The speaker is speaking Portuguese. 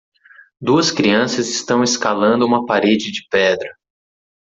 Duas crianças estão escalando uma parede de pedra.